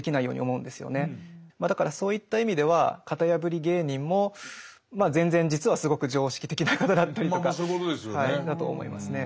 まあだからそういった意味では型破り芸人もまあ全然実はすごく常識的な方だったりとかだと思いますね。